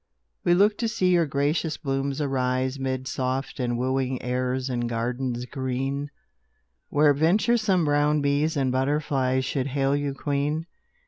We looked to see your gracious blooms arise Mid soft and wooing airs in gardens green, Where venturesome brown bees and butterflies Should hail you queen.